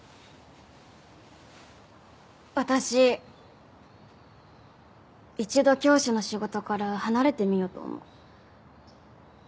私一度教師の仕事から離れてみようと思う。